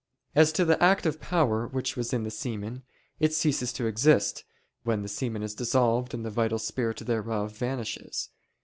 As to the active power which was in the semen, it ceases to exist, when the semen is dissolved and the (vital) spirit thereof vanishes.